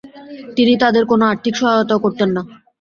তিনি তাদের কোন আর্থিক সহায়তাও করতেন না।